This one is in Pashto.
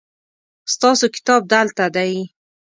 ستاسو کتاب دلته دی